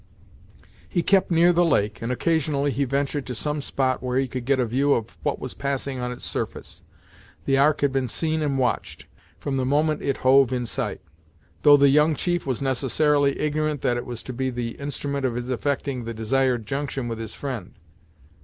He kept near the lake, and occasionally he ventured to some spot where he could get a view of what was passing on its surface. The Ark had been seen and watched, from the moment it hove in sight, though the young chief was necessarily ignorant that it was to be the instrument of his effecting the desired junction with his friend.